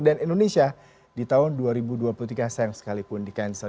dan indonesia di tahun dua ribu dua puluh tiga sayang sekalipun dikansel